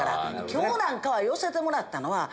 今日なんかは寄せてもらったのは。